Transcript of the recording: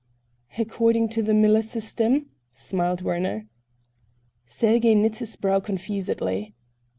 "According to the Müller system?" smiled Werner. Sergey knit his brow confusedly.